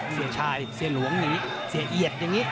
เสียชายเสียหลวงอย่างนี้เสียเอียดอย่างนี้